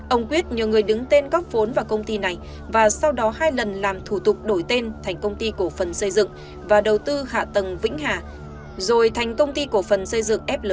ông quyết nhờ người đứng tên góp vốn vào công ty này và sau đó hai lần làm thủ tục đổi tên thành công ty